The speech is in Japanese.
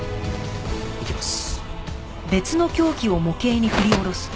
いきます。